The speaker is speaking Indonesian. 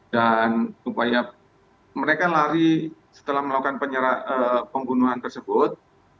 dan supaya mereka lari setelah melakukan penyerahan penggunaan tersebut